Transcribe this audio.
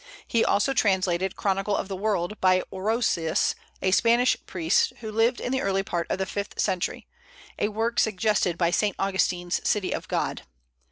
He also translated the "Chronicle of the World," by Orosius, a Spanish priest, who lived in the early part of the fifth century, a work suggested by Saint Augustine's "City of God."